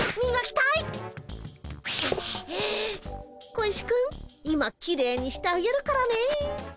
小石くん今きれいにしてあげるからね。